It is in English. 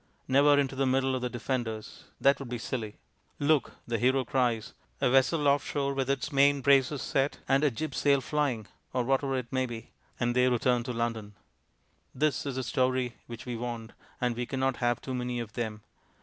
(Never into the middle of the defenders. That would be silly.) "Look," the Hero cries, "a vessel off shore with its main braces set and a jib sail flying" or whatever it may be. And they return to London. This is the story which we want, and we cannot have too many of them.